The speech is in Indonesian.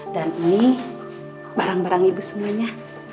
dan ini barang barang ibu semuanya